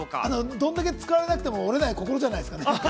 どんだけ使われなくても折れない心じゃないですかね。